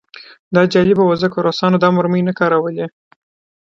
دا جالبه وه ځکه روسانو دا مرمۍ نه کارولې